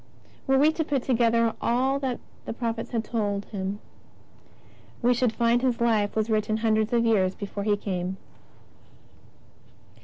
Were we to put together all that the prophets told of Him, we should find His Life was written hundreds of years before He came.